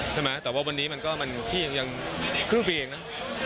ใช่ไหมแต่ว่าวันนี้มันก็มันที่ยังครึ่งปีเองนะ